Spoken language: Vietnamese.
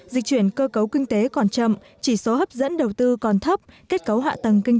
dịch chuyển cơ cấu kinh tế còn chậm chỉ số hấp dẫn đầu tư còn thấp kết cấu hạ tầng kinh